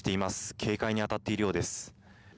警戒に当たっているようです。